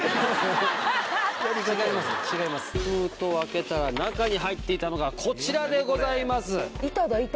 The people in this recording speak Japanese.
封筒を開けたら中に入っていたのがこちらでございます。